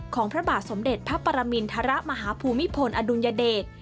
พระบาทสมเด็จพระปรมินทรมาฮภูมิพลอดุลยเดช